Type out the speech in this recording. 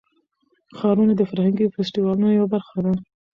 ښارونه د فرهنګي فستیوالونو یوه برخه ده.